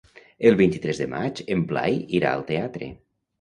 El vint-i-tres de maig en Blai irà al teatre.